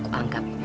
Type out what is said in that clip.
bukan kau doctor